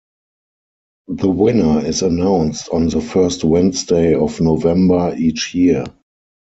The winner is announced on the first Wednesday of November each year.